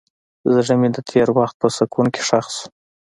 زړه مې د تېر وخت په سکوت کې ښخ شو.